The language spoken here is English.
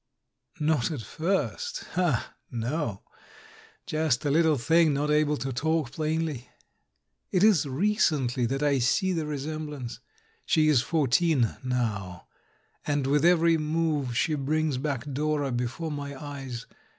Not at first — ah, no; just a little thing not able to talk plainly! It is recently that I see the re semblance. She is fourteen now, and with every move she brings back Dora before my eyes.